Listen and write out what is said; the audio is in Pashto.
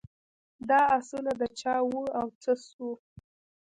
دا آسونه د چا وه او څه سوه.